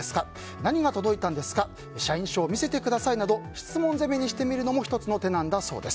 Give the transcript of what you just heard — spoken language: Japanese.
何が届いたんですか社員証見せてくださいなど質問攻めにしてみるのも１つの手なんだそうです。